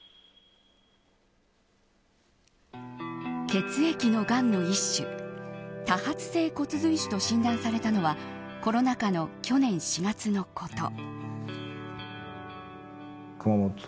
血液のがんの一種多発性骨髄腫と診断されたのはコロナ禍の去年４月のこと。